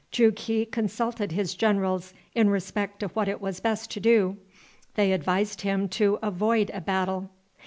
Jughi consulted his generals in respect to what it was best to do. They advised him to avoid a battle.